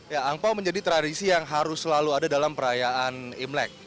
ya angpao menjadi tradisi yang harus selalu ada dalam perayaan imlek